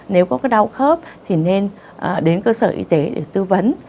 nếu có cái đau khớp thì nên đến cơ sở y tế để tư vấn